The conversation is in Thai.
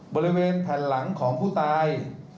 บริเวณแผ่นหลังของผู้ตาย